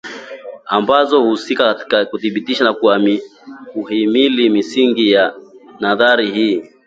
ambazo huhusika katika kuthibitisha na kuihimili misingi ya nadharia hii